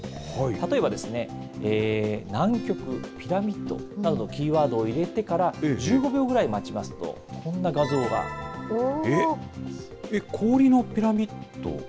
例えばですね、南極、ピラミッドなどキーワードを入れてから、１５秒ぐらい待ちますと、氷のピラミッド？